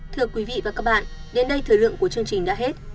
thưa quý vị và các bạn đến đây thời lượng của chương trình đã hết